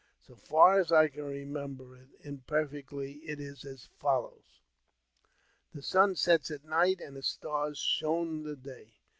So far as I can remember it im^ perfectly it is as follows :" The sun sets at night and the stars shun the day.